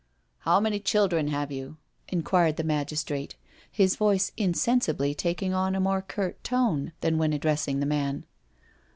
" How many children have you?" inquired the magis trate, his voice insensibly taking on a more curt tone than when addressing the man.